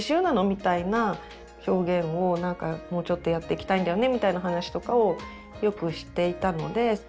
みたいな表現をもうちょっとやっていきたいんだよねみたいな話とかをよくしていたので見つけたっていうか。